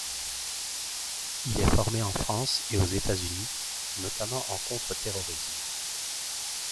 Il est formé en France et aux Etats-Unis, notamment en contre-terrorisme.